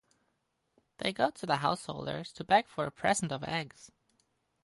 They go to the householders to beg for a present of eggs.